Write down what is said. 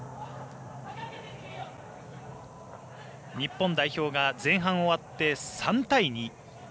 日本代表が前半終わって３対２。